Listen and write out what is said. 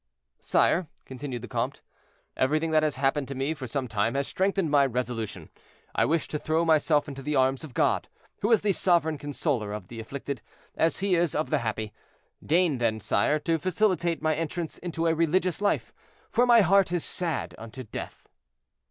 "Sire," continued the comte, "everything that has happened to me for some time has strengthened my resolution. I wish to throw myself into the arms of God, who is the sovereign consoler of the afflicted, as he is of the happy. Deign then, sire, to facilitate my entrance into a religious life, for my heart is sad unto death."